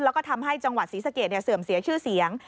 แล้วก็ทำให้จังหวัดศรีสะเกดเสื่อมเสียชื่อเสียง